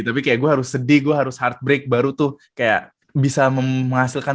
tapi kayak gue harus sedih gue harus hard break baru tuh kayak bisa menghasilkan